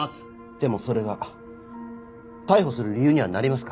でもそれが逮捕する理由にはなりますか？